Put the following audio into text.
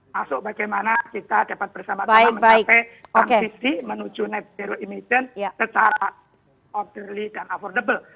masuk bagaimana kita dapat bersama sama mencapai transisi menuju net zero emission secara orderly dan affordable